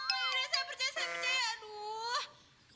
aduh saya percaya saya percaya aduh